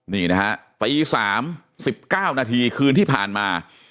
นี่นะฮะตี๓๑๙นาทีคืนที่ผ่านมา